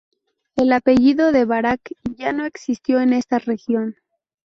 El apellido de Barac ya no existe en esta región.